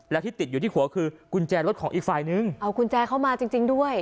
และที่ติดอยู่ที่หัวคือกุญแจรถของอีกฝ่ายนึงเอากุญแจเข้ามาจริงจริงด้วย